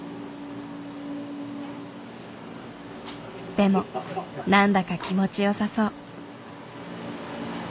でも何だか気持ちよさそう。